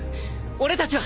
俺たちは。